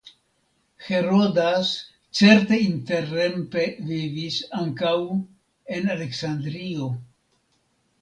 Herodas certe interrempe vivis ankaŭ en Aleksandrio.